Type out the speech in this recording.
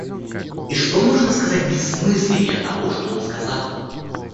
И что можно сказать бессмысленнее того, что он сказал?